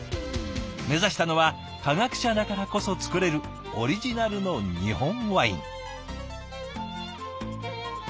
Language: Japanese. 目指したのは科学者だからこそ造れるオリジナルの日本ワイン。